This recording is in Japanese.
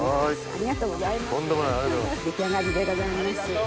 ありがとうございます栄子さん。